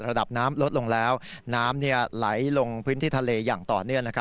ระดับน้ำลดลงแล้วน้ำไหลลงพื้นที่ทะเลอย่างต่อเนื่อง